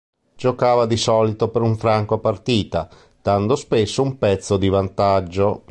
Giocava di solito per un franco a partita, dando spesso un pezzo di vantaggio.